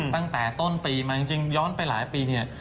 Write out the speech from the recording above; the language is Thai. ตั้งแต่ต้นปีมาจริงย้อนไปหลายปีเนี่ย